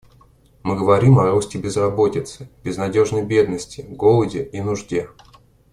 Мы говорим о росте безработицы, безнадежной бедности, голоде и нужде.